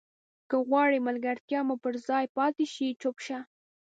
که غواړې ملګرتیا مو پر ځای پاتې شي چوپ شه.